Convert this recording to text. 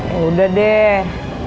ya udah deh